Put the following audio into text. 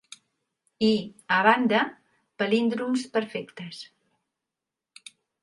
I, a banda, palíndroms perfectes.